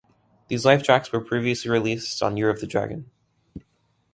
These live tracks were previously released on Year of the Dragon.